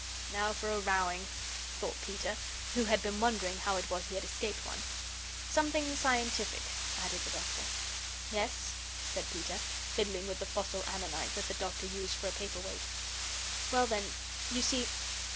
"Now for a rowing," thought Peter, who had been wondering how it was that he had escaped one. "Something scientific," added the Doctor. "Yes," said Peter, fiddling with the fossil ammonite that the Doctor used for a paper weight. "Well then, you see.